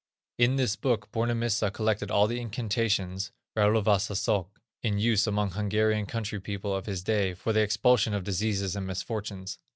In this book Bornemissza collected all the incantations (ráolvasások) in use among Hungarian country people of his day for the expulsion of diseases and misfortunes.